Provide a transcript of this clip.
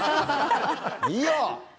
いいよ！